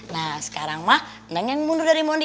nah sekarang ma nek yang mundur dari mondi